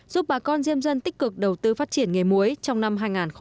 giúp bà con diêm dân tích cực đầu tư phát triển nghề muối trong năm hai nghìn hai mươi